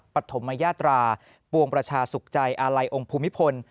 ปฐมยาตราปวงประชาสุขใจอาลัยองค์ภูมิพล